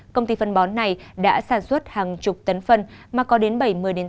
công ty phân bón này đã sản xuất hàng chục tấn phân mà có đến bảy mươi tám mươi